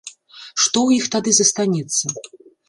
Што ў іх тады застанецца?